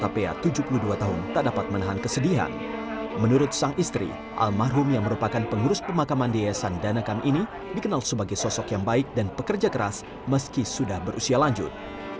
pembelian kekayasan danakan ini dikenal sebagai sosok yang baik dan pekerja keras meski sudah berusia lanjut